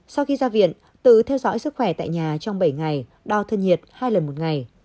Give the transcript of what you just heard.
sau khi ra viện tự theo dõi sức khỏe tại nhà trong bảy ngày đo thân nhiệt hai lần một ngày